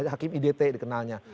hakim idt dikenalnya